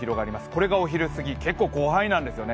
これがお昼過ぎ、結構広範囲なんですよね。